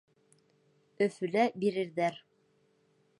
Өфөлә бирерҙәр.